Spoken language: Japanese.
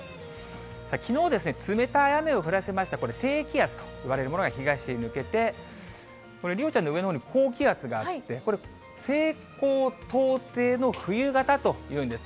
きのう、冷たい雨を降らせました、これ、低気圧といわれるものが東へ抜けて、これ、梨央ちゃんの上のほうに高気圧があって、これ、西高東低の冬型というんですね。